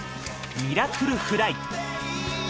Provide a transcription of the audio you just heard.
「ミラクル★フライ」。